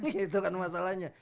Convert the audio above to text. gitu kan masalahnya